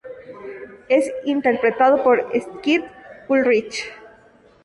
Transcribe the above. Es interpretado por Skeet Ulrich.